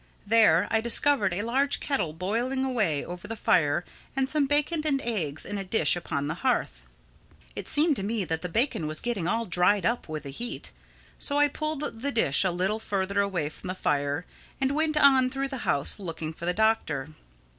There I discovered a large kettle boiling away over the fire and some bacon and eggs in a dish upon the hearth. It seemed to me that the bacon was getting all dried up with the heat. So I pulled the dish a little further away from the fire and went on through the house looking for the Doctor.